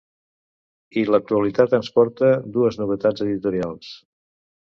I l’actualitat ens porta dues novetats editorials.